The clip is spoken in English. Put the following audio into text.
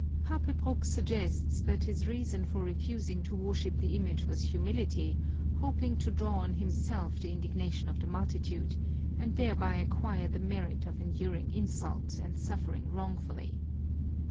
Papebroeck suggests that his reason for refusing to worship the image was humility, hoping to draw on himself the indignation of the multitude, and thereby acquire the merit of enduring insult and suffering wrongfully.